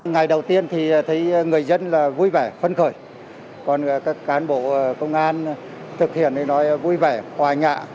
ngày đầu tiên thì thấy người dân là